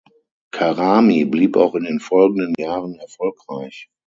Karami blieb auch in den folgenden Jahren erfolgreich.